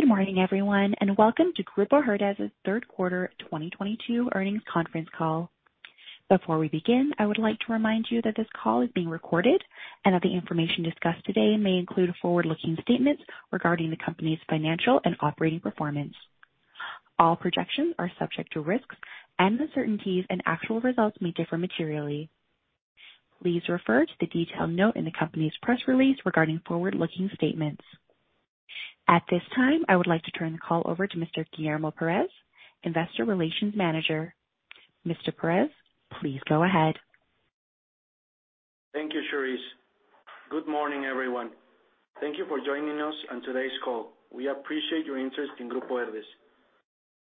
Good morning everyone, and welcome to Grupo Herdez's Q3 2022 earnings conference call. Before we begin, I would like to remind you that this call is being recorded and that the information discussed today may include forward-looking statements regarding the company's financial and operating performance. All projections are subject to risks, uncertainties, and actual results may differ materially. Please refer to the detailed note in the company's press release regarding forward-looking statements. At this time, I would like to turn the call over to Mr. Guillermo Pérez, Investor Relations Manager. Mr. Pérez, please go ahead. Thank you, Charisse. Good morning, everyone. Thank you for joining us on today's call. We appreciate your interest in Grupo Herdez.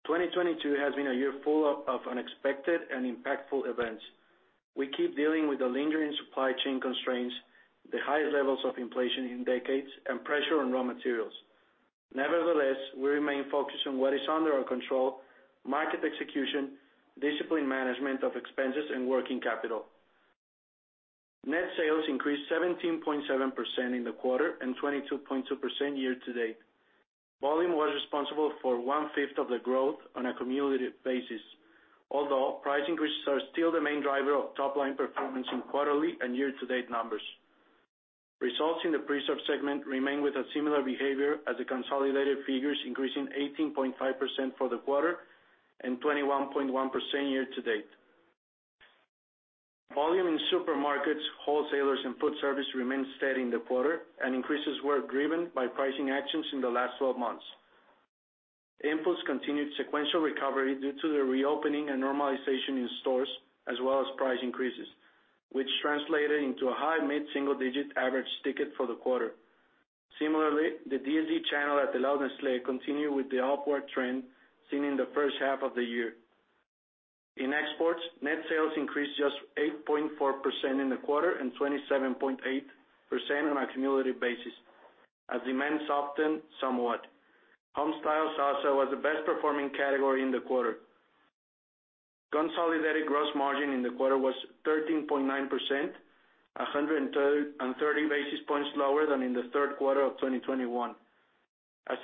2022 has been a year full of unexpected and impactful events. We keep dealing with the lingering supply chain constraints, the highest levels of inflation in decades, and pressure on raw materials. Nevertheless, we remain focused on what is under our control, market execution, disciplined management of expenses, and working capital. Net sales increased 17.7% in the quarter and 22.2% year-to-date. Volume was responsible for one-fifth of the growth on a cumulative basis. Although price increases are still the main driver of top-line performance in quarterly and year-to-date numbers. Results in the preserves segment remain with a similar behavior as the consolidated figures, increasing 18.5% for the quarter and 21.1% year-to-date. Volume in supermarkets, wholesalers, and food service remained steady in the quarter and increases were driven by pricing actions in the last 12 months. Inputs continued sequential recovery due to the reopening and normalization in stores, as well as price increases, which translated into a high mid-single-digit average ticket for the quarter. Similarly, the DSD channel at the La Lechera continued with the upward trend seen in the first half of the year. In exports, net sales increased just 8.4% in the quarter and 27.8% on a cumulative basis as demand softened somewhat. Homestyle salsa was the best performing category in the quarter. Consolidated gross margin in the quarter was 13.9%, 130 basis points lower than in the Q3 of 2021.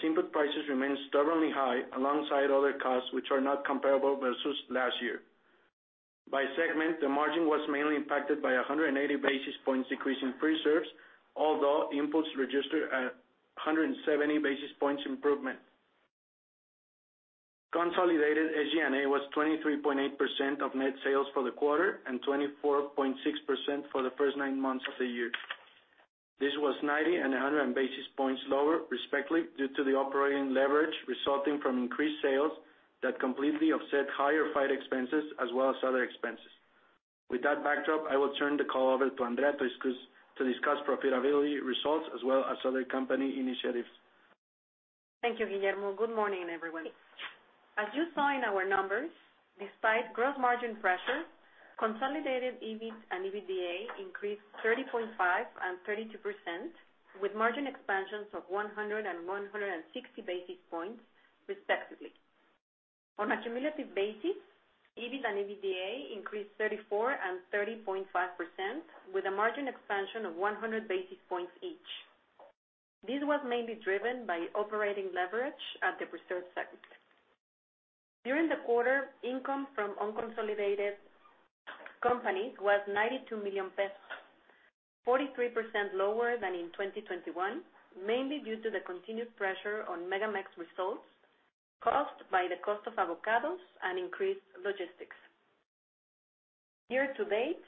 Input prices remain stubbornly high alongside other costs which are not comparable versus last year. By segment, the margin was mainly impacted by 180 basis points decrease in preserves, although inputs registered 170 basis points improvement. Consolidated SG&A was 23.8% of net sales for the quarter and 24.6% for the first nine months of the year. This was 90 and 100 basis points lower respectively, due to the operating leverage resulting from increased sales that completely offset higher FX expenses as well as other expenses. With that backdrop, I will turn the call over to Andrea to discuss profitability results as well as other company initiatives. Thank you, Guillermo. Good morning, everyone. As you saw in our numbers, despite gross margin pressure, consolidated EBIT and EBITDA increased 30.5% and 32% with margin expansions of 100 and 160 basis points respectively. On a cumulative basis, EBIT and EBITDA increased 34% and 30.5% with a margin expansion of 100 basis points each. This was mainly driven by operating leverage at the preserves segment. During the quarter, income from unconsolidated companies was 92 million pesos, 43% lower than in 2021, mainly due to the continued pressure on MegaMex results caused by the cost of avocados and increased logistics. Year to date,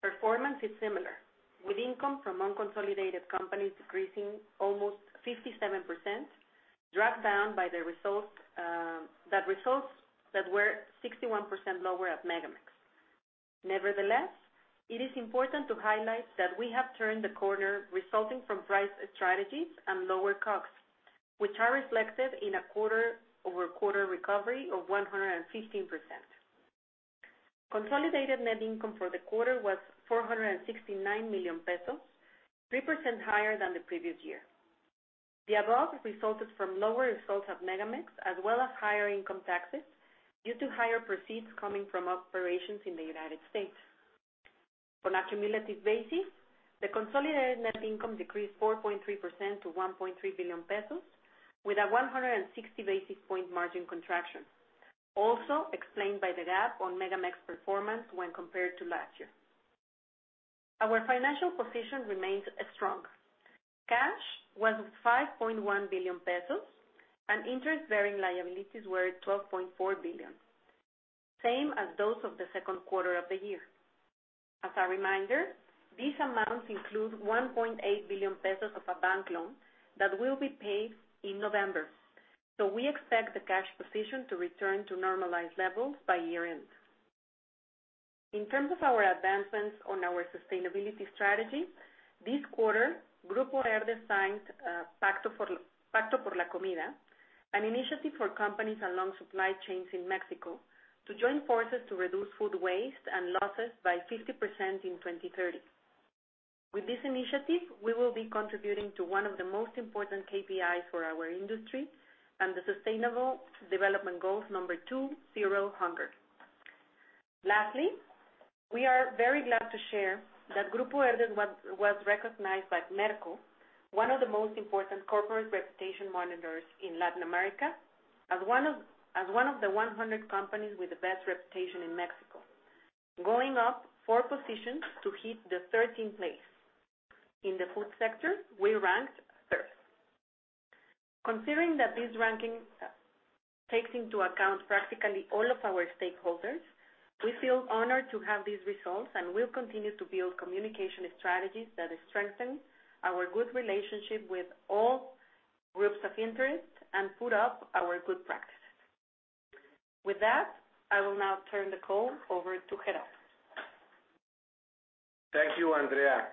performance is similar, with income from unconsolidated companies decreasing almost 57%, dragged down by the results that were 61% lower at MegaMex. Nevertheless, it is important to highlight that we have turned the corner resulting from price strategies and lower costs, which are reflected in a quarter-over-quarter recovery of 115%. Consolidated net income for the quarter was 469 million pesos, 3% higher than the previous year. The above resulted from lower results at MegaMex, as well as higher income taxes due to higher proceeds coming from operations in the United States. On a cumulative basis, the consolidated net income decreased 4.3% to 1.3 billion pesos with a 160 basis point margin contraction, also explained by the gap on MegaMex performance when compared to last year. Our financial position remains strong. Cash was 5.1 billion pesos and interest-bearing liabilities were 12.4 billion, same as those of the Q2 of the year. As a reminder, these amounts include 1.8 billion pesos of a bank loan that will be paid in November. We expect the cash position to return to normalized levels by year end. In terms of our advancements on our sustainability strategy, this quarter, Grupo Herdez signed Pacto por la Comida, an initiative for companies along supply chains in Mexico to join forces to reduce food waste and losses by 50% in 2030. With this initiative, we will be contributing to one of the most important KPIs for our industry and the sustainable development goals 2, zero hunger. Lastly, we are very glad to share that Grupo Herdez was recognized by Merco, one of the most important corporate reputation monitors in Latin America, as one of the 100 companies with the best reputation in Mexico, going up four positions to hit the thirteenth place. In the food sector, we ranked third. Considering that this ranking takes into account practically all of our stakeholders, we feel honored to have these results, and we'll continue to build communication strategies that strengthen our good relationship with all groups of interest and put up our good practices. With that, I will now turn the call over to Gerardo. Thank you, Andrea.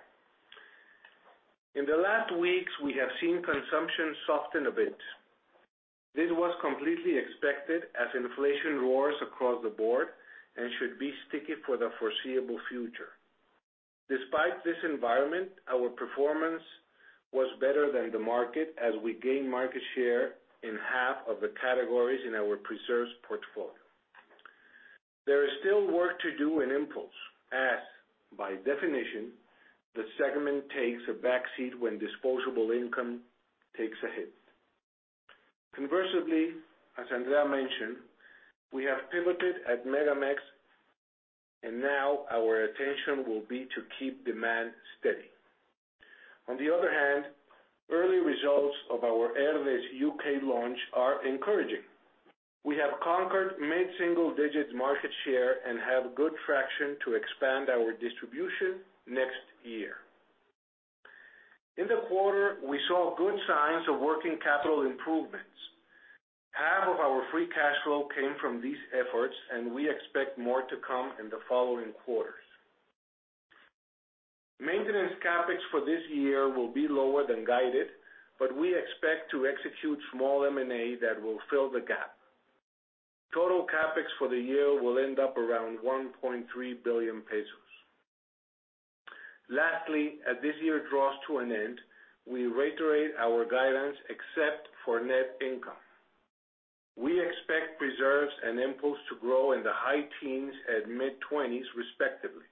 In the last weeks, we have seen consumption soften a bit. This was completely expected as inflation roars across the board and should be sticky for the foreseeable future. Despite this environment, our performance was better than the market as we gained market share in half of the categories in our preserves portfolio. There is still work to do in impulse as, by definition, the segment takes a back seat when disposable income takes a hit. Conversely, as Andrea mentioned, we have pivoted at MegaMex, and now our attention will be to keep demand steady. On the other hand, early results of our Herdez UK launch are encouraging. We have conquered mid-single digit market share and have good traction to expand our distribution next year. In the quarter, we saw good signs of working capital improvements. Half of our free cash flow came from these efforts, and we expect more to come in the following quarters. Maintenance CapEx for this year will be lower than guided, but we expect to execute small M&A that will fill the gap. Total CapEx for the year will end up around 1.3 billion pesos. Lastly, as this year draws to an end, we reiterate our guidance except for net income. We expect preserves and impulse to grow in the high teens and mid-20s respectively,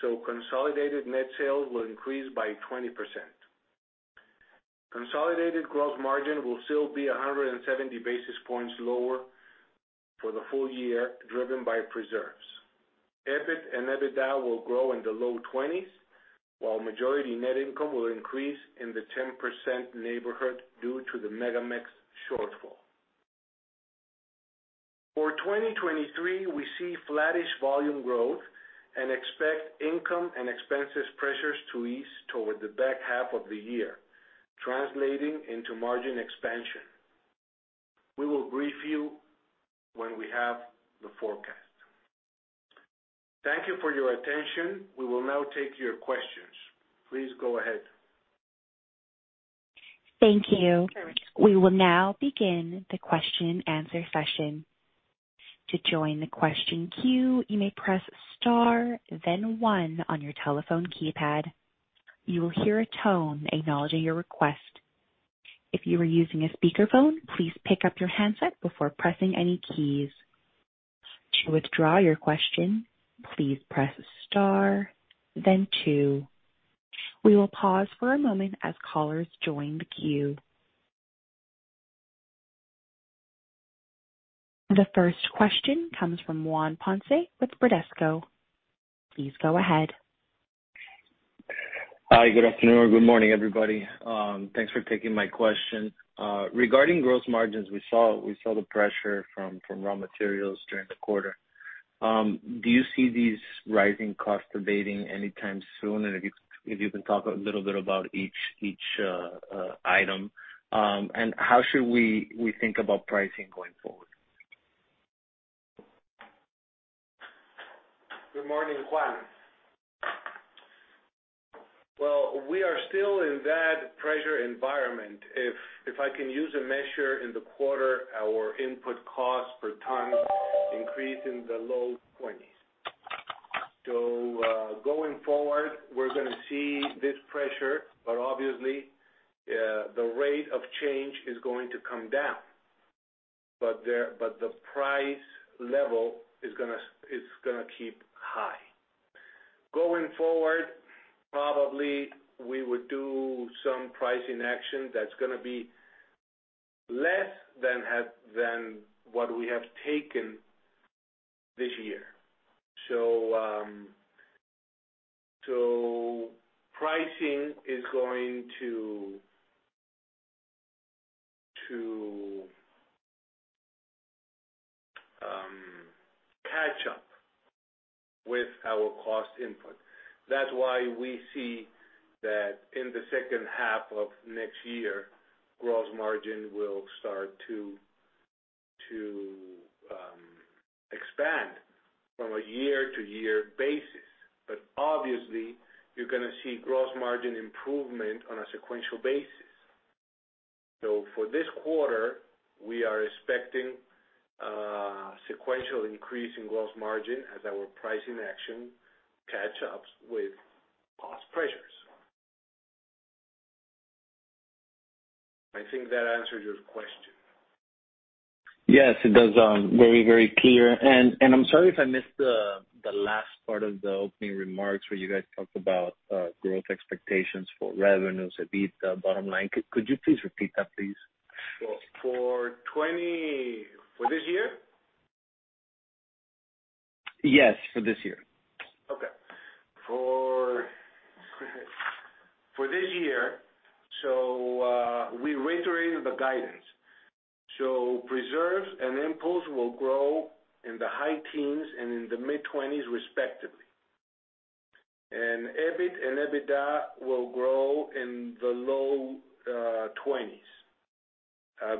so consolidated net sales will increase by 20%. Consolidated gross margin will still be 170 basis points lower for the full year, driven by preserves. EBIT and EBITDA will grow in the low 20s, while majority net income will increase in the 10% neighborhood due to the MegaMex shortfall. For 2023, we see flattish volume growth and expect income and expenses pressures to ease toward the back half of the year, translating into margin expansion. We will brief you when we have the forecast. Thank you for your attention. We will now take your questions. Please go ahead. Thank you. We will now begin the question-answer session. To join the question queue, you may press Star, then One on your telephone keypad. You will hear a tone acknowledging your request. If you are using a speakerphone, please pick up your handset before pressing any keys. To withdraw your question, please press Star then Two. We will pause for a moment as callers join the queue. The first question comes from Juan Ponce with Bradesco. Please go ahead. Hi. Good afternoon, or good morning, everybody. Thanks for taking my question. Regarding gross margins, we saw the pressure from raw materials during the quarter. Do you see these rising costs abating anytime soon? If you can talk a little bit about each item. How should we think about pricing going forward? Good morning, Juan. Well, we are still in that pressure environment. If I can use a measure in the quarter, our input cost per ton increased in the low 20s%. Going forward, we're going to see this pressure, but obviously the rate of change is going to come down, but the price level is going to keep high. Going forward, probably we would do some pricing action that's going to be less than what we have taken this year. Pricing is going to catch up with our cost input. That's why we see that in the second half of next year, gross margin will start to expand from a year-to-year basis. Obviously you're going to see gross margin improvement on a sequential basis. For this quarter, we are expecting sequential increase in gross margin as our pricing action catch up with cost pressures. I think that answered your question. Yes, it does. Very, very clear. I'm sorry if I missed the last part of the opening remarks where you guys talked about growth expectations for revenues, EBIT, bottom line. Could you please repeat that, please? For this year? Yes, for this year. For this year, we reiterated the guidance. Preserves and impulse will grow in the high teens and in the mid-twenties respectively. EBIT and EBITDA will grow in the low twenties.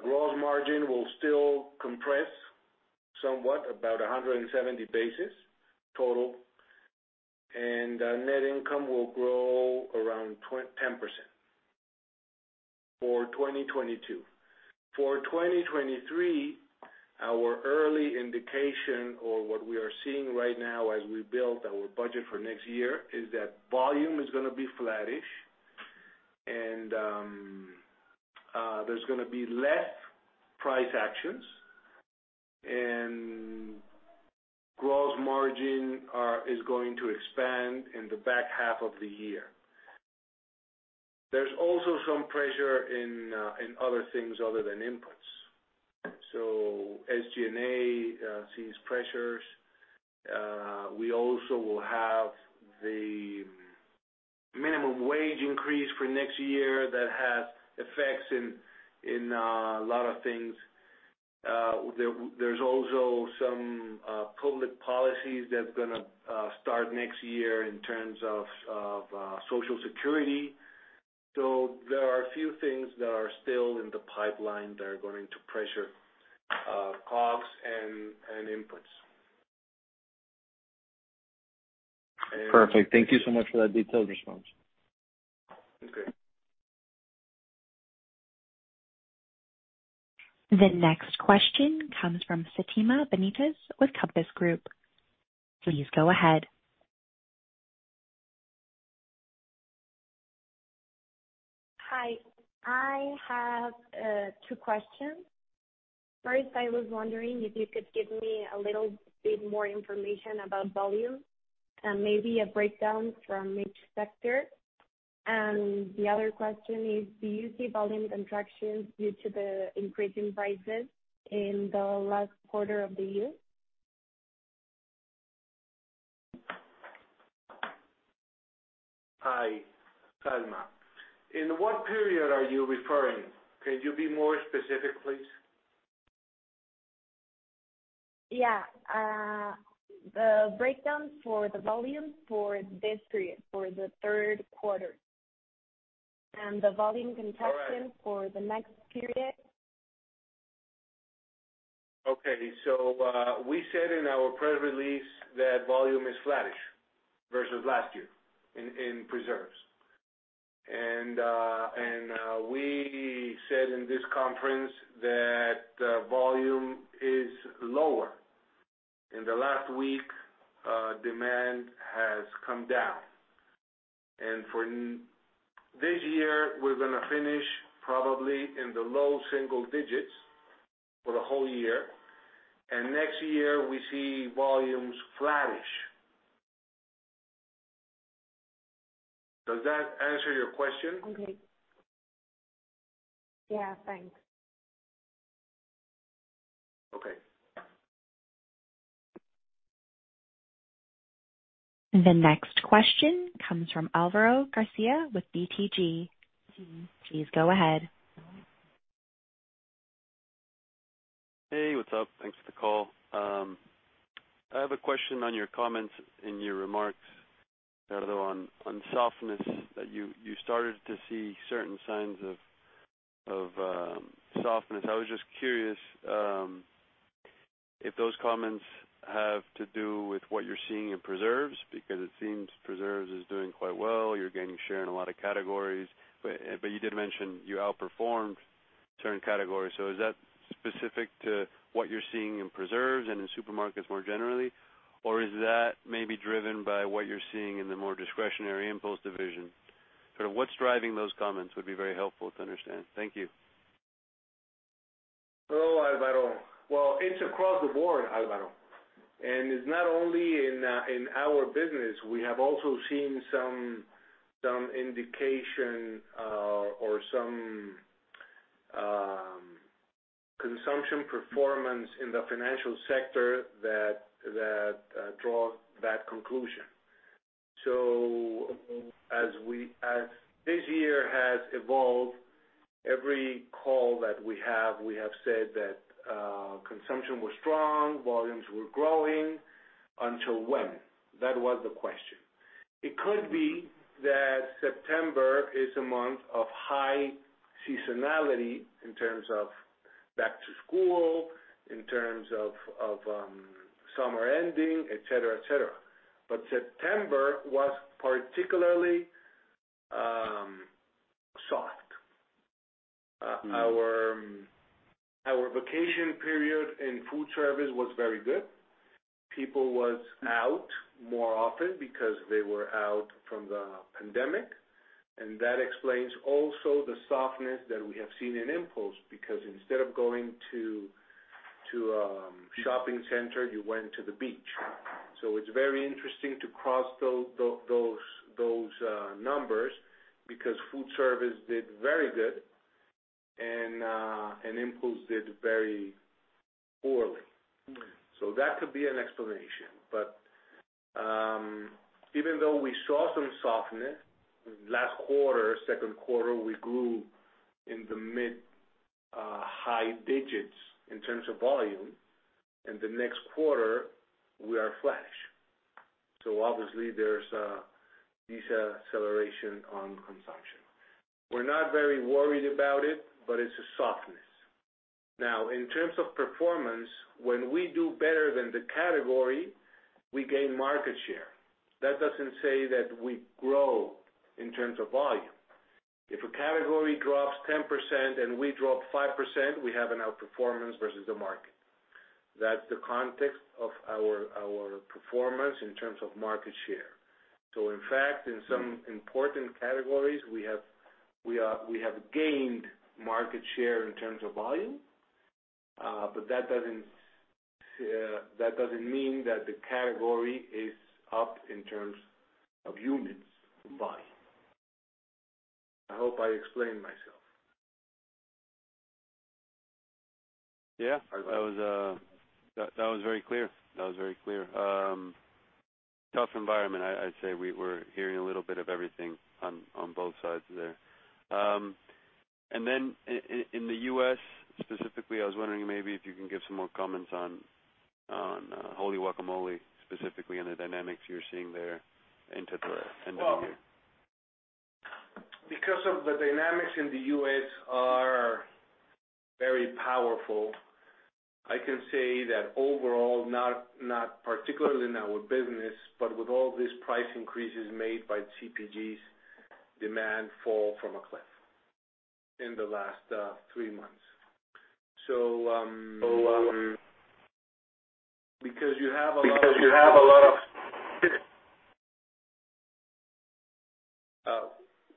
Gross margin will still compress somewhat about 170 basis points. Net income will grow around 10% for 2022. For 2023, our early indication or what we are seeing right now as we build our budget for next year is that volume is going to be flattish and there's going to be less price actions and gross margin is going to expand in the back half of the year. There's also some pressure in other things other than inputs. As G&A sees pressures, we also will have the minimum wage increase for next year that has effects in a lot of things. There's also some public policies that's going to start next year in terms of Social Security. There are a few things that are still in the pipeline that are going to pressure costs and inputs. Perfect. Thank you so much for that detailed response. Okay. The next question comes from Fatima Benitez with Compass Group. Please go ahead. Hi. I have two questions. First, I was wondering if you could give me a little bit more information about volume and maybe a breakdown from each sector. The other question is, do you see volume contractions due to the increasing prices in the last quarter of the year? Hi, Fatima. In what period are you referring? Can you be more specific, please? Yeah. The breakdown for the volume for this period, for the Q3, and the volume contraction. All right. for the next period. Okay. We said in our press release that volume is flattish versus last year in preserves. We said in this conference that volume is lower. In the last week, demand has come down. For this year we're going to finish probably in the low single digits for the whole year, and next year we see volumes flattish. Does that answer your question? Okay. Yeah, thanks. Okay. The next question comes from Alvaro Garcia with BTG. Please go ahead. Hey, what's up? Thanks for the call. I have a question on your comments in your remarks, Gerardo, on softness that you started to see certain signs of softness. I was just curious if those comments have to do with what you're seeing in preserves, because it seems preserves is doing quite well. You're gaining share in a lot of categories, but you did mention you outperformed certain categories. Is that specific to what you're seeing in preserves and in supermarkets more generally, or is that maybe driven by what you're seeing in the more discretionary impulse division? Sort of what's driving those comments would be very helpful to understand. Thank you. Hello, Álvaro. Well, it's across the board, Álvaro. It's not only in our business. We have also seen some indication or some consumption performance in the financial sector that draws that conclusion. As this year has evolved, every call that we have, we have said that consumption was strong, volumes were growing until when? That was the question. It could be that September is a month of high seasonality in terms of back to school, in terms of summer ending, et cetera, et cetera. September was particularly soft. Food service was very good. People was out more often because they were out from the pandemic, and that explains also the softness that we have seen in impulse, because instead of going to shopping center, you went to the beach. It's very interesting to cross those numbers because food service did very good and impulse did very poorly. That could be an explanation. Even though we saw some softness last quarter, Q2, we grew in the mid, high digits in terms of volume, and the next quarter we are flat. Obviously there's a deceleration on consumption. We're not very worried about it, but it's a softness. Now, in terms of performance, when we do better than the category, we gain market share. That doesn't say that we grow in terms of volume. If a category drops 10% and we drop 5%, we have an outperformance versus the market. That's the context of our performance in terms of market share. In fact, in some important categories, we have gained market share in terms of volume. That doesn't mean that the category is up in terms of units volume. I hope I explained myself. Yeah, that was very clear. Tough environment. I'd say we're hearing a little bit of everything on both sides there. In the US specifically, I was wondering maybe if you can give some more comments on WHLLY GUACAMOLE, specifically on the dynamics you're seeing there into the end of the year. Well, because of the dynamics in the U.S. are very powerful, I can say that overall, not particularly in our business, but with all these price increases made by CPGs, demand fell from a cliff in the last three months.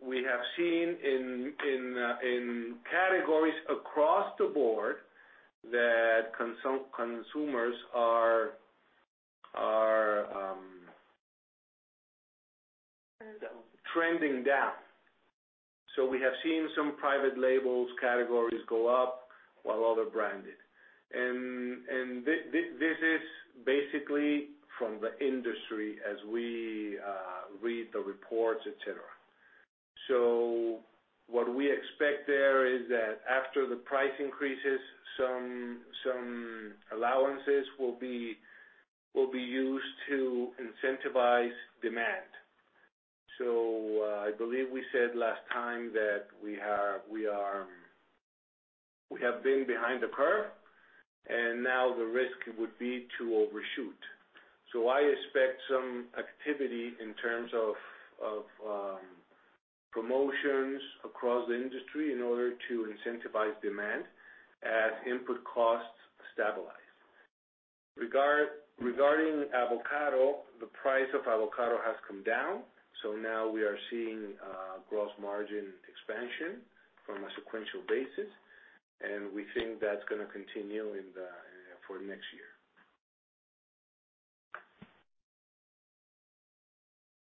We have seen in categories across the board that consumers are trending down. We have seen some private labels categories go up while other branded. This is basically from the industry as we read the reports, et cetera. What we expect there is that after the price increases, some allowances will be used to incentivize demand. I believe we said last time that we have been behind the curve, and now the risk would be to overshoot. I expect some activity in terms of promotions across the industry in order to incentivize demand as input costs stabilize. Regarding avocado, the price of avocado has come down, so now we are seeing gross margin expansion from a sequential basis, and we think that's going to continue for next year.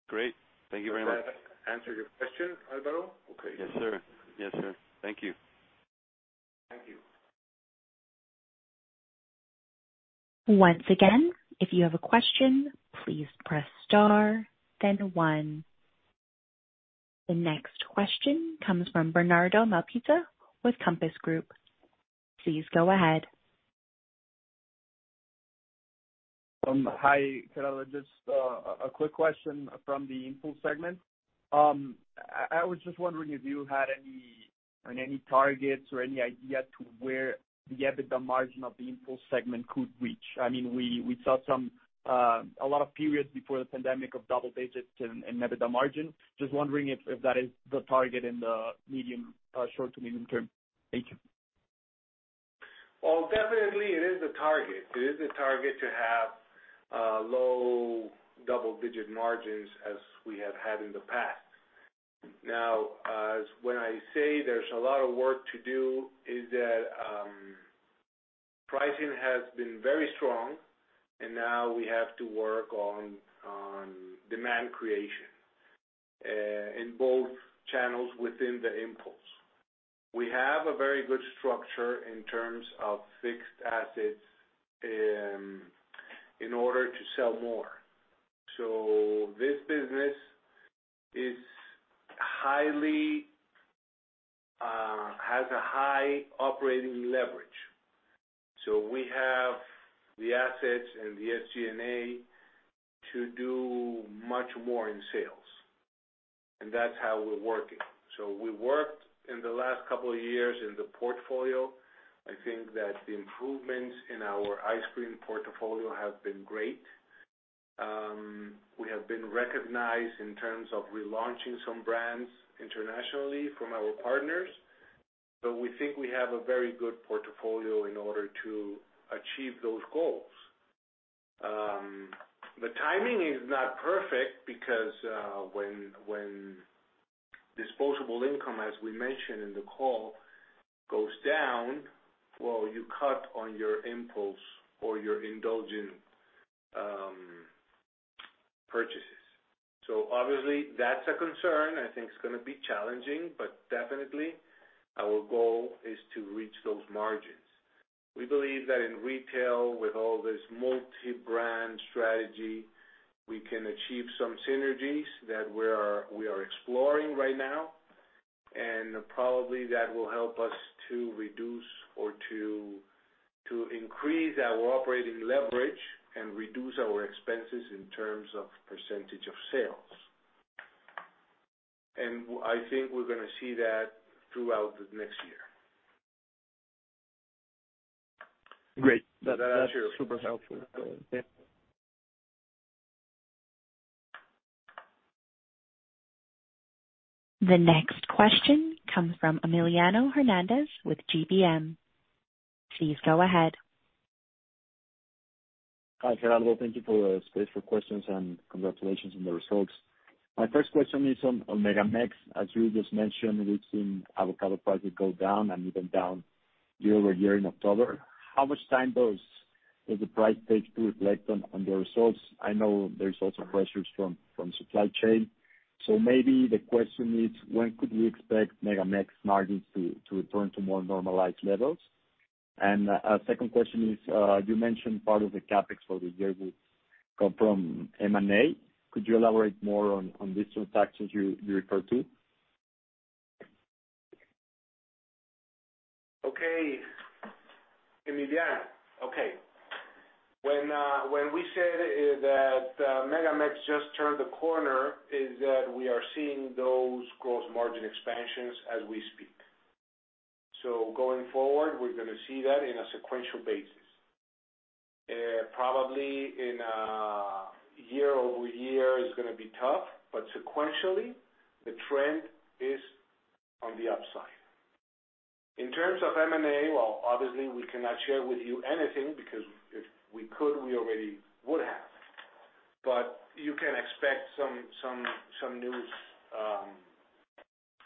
Great. Thank you very much. Does that answer your question, Alvaro? Okay. Yes, sir. Thank you. Thank you. Once again, if you have a question, please press star then one. The next question comes from Bernardo Malpica with Compass Group. Please go ahead. Hi, Gerardo. Just a quick question from the impulse segment. I was just wondering if you had any targets or any idea to where the EBITDA margin of the impulse segment could reach. I mean, we saw some, a lot of periods before the pandemic of double digits in EBITDA margin. Just wondering if that is the target in the medium short to medium term. Thank you. Well, definitely it is a target. It is a target to have low double-digit margins as we have had in the past. Now, when I say there's a lot of work to do is that, pricing has been very strong and now we have to work on demand creation in both channels within the impulse. We have a very good structure in terms of fixed assets in order to sell more. This business has a high operating leverage. We have the assets and the SG&A to do much more in sales, and that's how we're working. We worked in the last couple of years in the portfolio. I think that the improvements in our ice cream portfolio have been great. We have been recognized in terms of relaunching some brands internationally from our partners, but we think we have a very good portfolio in order to achieve those goals. The timing is not perfect because, when disposable income, as we mentioned in the call, goes down, well, you cut on your impulse or your indulgent purchases. Obviously that's a concern. I think it's going to be challenging, but definitely our goal is to reach those margins. We believe that in retail, with all this multi-brand strategy, we can achieve some synergies that we are exploring right now, and probably that will help us to reduce or to increase our operating leverage and reduce our expenses in terms of percentage of sales. I think we're going to see that throughout the next year. Great. That's super helpful. Yeah. The next question comes from Emiliano Hernández with GBM. Please go ahead. Hi, Gerardo. Thank you for the space for questions and congratulations on the results. My first question is on MegaMex. As you just mentioned, we've seen avocado prices go down and even down year-over-year in October. How much time does the price take to reflect on the results? I know there's also pressures from supply chain. So maybe the question is, when could we expect MegaMex margins to return to more normalized levels? And a second question is, you mentioned part of the CapEx for this year would come from M&A. Could you elaborate more on these transactions you referred to? Okay. Emiliano, okay. When we said that MegaMex just turned the corner, is that we are seeing those gross margin expansions as we speak. Going forward, we're going to see that in a sequential basis. Probably in year-over-year is going to be tough, but sequentially, the trend is on the upside. In terms of M&A, well, obviously we cannot share with you anything, because if we could, we already would have. You can expect some news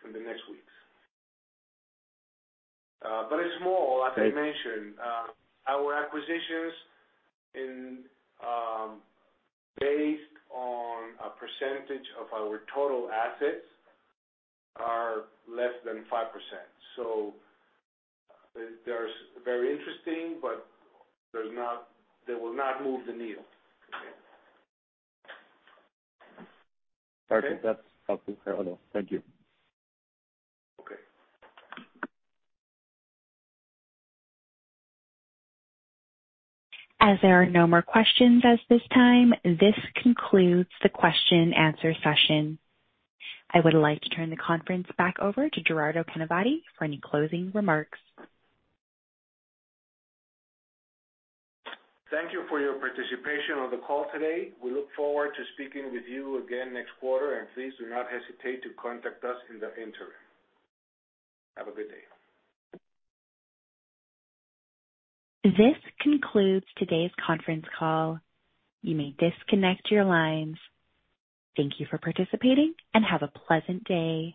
in the next weeks. It's small. Like I mentioned, our acquisitions in based on a percentage of our total assets are less than 5%. They're very interesting, but they will not move the needle. Perfect. That's helpful, Gerardo. Thank you. Okay. As there are no more questions at this time, this concludes the question/answer session. I would like to turn the conference back over to Gerardo Canavati for any closing remarks. Thank you for your participation on the call today. We look forward to speaking with you again next quarter, and please do not hesitate to contact us in the interim. Have a good day. This concludes today's conference call. You may disconnect your lines. Thank you for participating and have a pleasant day.